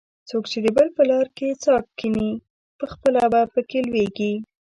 څوک چې د بل په لار کې څا کیني؛ پخپله په کې لوېږي.